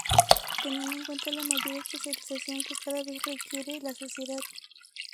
Teniendo en cuenta la mayor especialización que cada vez requiere la sociedad.